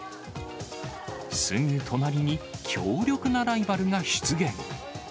すぐ隣に強力なライバルが出現。